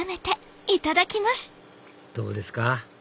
どうですか？